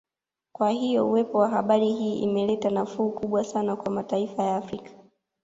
Kwa hiyo uwepo wa bahari hii imeleta nafuu kubwa sana kwa mataifa ya Afrika